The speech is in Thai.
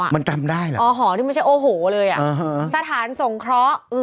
มันจำได้เหรออ๋อหอนี่ไม่ใช่โอ้โหเลยอ่ะสถานสงเคราะห์